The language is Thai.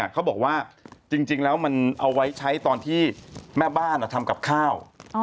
เขาบอกว่าจริงแล้วมันเอาไว้ใช้ตอนที่แม่บ้านทำกับข้าว